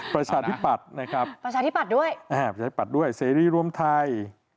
ประชาธิปัตธ์นะครับประชาธิปัตธ์ด้วยสเตรียร์รวมไทย